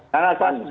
dan dapat itu